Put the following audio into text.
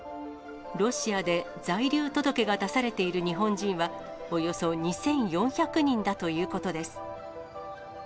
ロシアで在留届が出されている日本人は、およそ２４００人だということです。